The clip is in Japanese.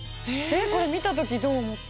これ見た時どう思った？